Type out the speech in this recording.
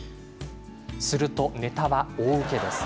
すると、ネタは大ウケです。